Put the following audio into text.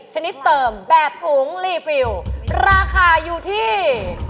ชนิดเติมแบบถุงรีฟิลราคาอยู่ที่